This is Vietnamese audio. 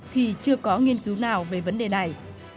thì chưa có nghiên cứu nào về vấn đề này